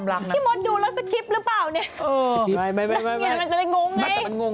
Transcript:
โตะก็ตกชนีสุลิศมันก่อน